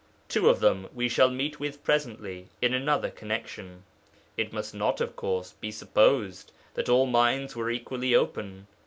Two of them we shall meet with presently in another connection. It must not, of course, be supposed that all minds were equally open.